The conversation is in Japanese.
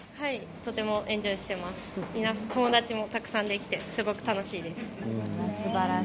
とてもエンジョイしています、友達もたくさんできてすごく楽しいです。